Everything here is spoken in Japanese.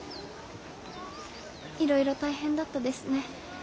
いろいろ大変だったですね。